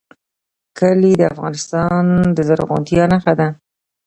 کلي د افغانستان د زرغونتیا نښه ده.